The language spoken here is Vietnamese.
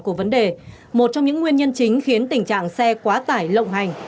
của vấn đề một trong những nguyên nhân chính khiến tình trạng xe quá tải lộng hành